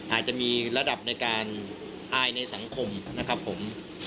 อาจจะมีระดับในการอายในสังคมนะครับผม